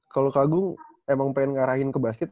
kalau kagum emang pengen ngarahin ke basket